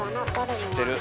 知ってる。